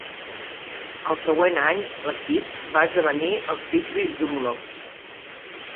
El següent any, l'equip va esdevenir els Whitby Dunlops.